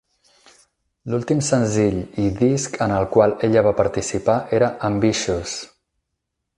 L'últim senzill i disc en el qual ella va participar era "Ambitious!